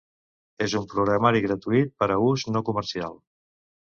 És un programari gratuït per a ús no comercial.